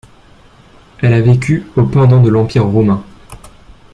Elle a vécu au pendant l'Empire romain.